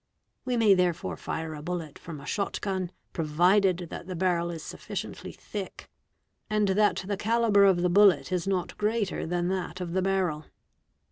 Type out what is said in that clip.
We may therefore fire a bullet from a shot gun, provided : that the barrel is sufficiently thick and that the calibre of the bullet is — not greater than that of the barrel.